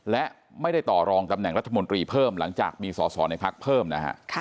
และไม่ได้ต่อรองตำแหน่งรัฐมนตรีเพิ่มหลังจากมีสอสอในพักเพิ่มนะฮะ